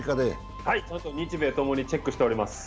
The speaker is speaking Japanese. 日米ともにチェックしております。